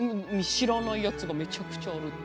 知らないやつがめちゃくちゃあるって。